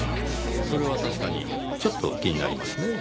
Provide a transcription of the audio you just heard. それは確かにちょっと気になりますねぇ。